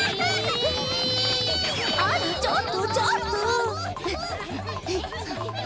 あらちょっとちょっと！